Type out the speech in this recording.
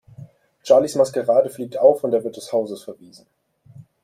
Charlies Maskerade fliegt auf und er wird des Hauses verwiesen.